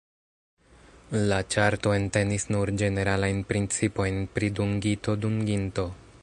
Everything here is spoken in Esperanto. La ĉarto entenis nur ĝeneralajn principojn pri dungito-dunginto.